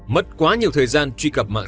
mất quá nhiều thời gian truy cập mạng